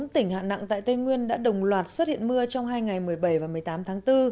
một mươi tỉnh hạn nặng tại tây nguyên đã đồng loạt xuất hiện mưa trong hai ngày một mươi bảy và một mươi tám tháng bốn